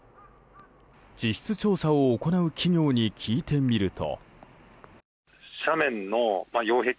地質調査を行う企業に聞いてみると。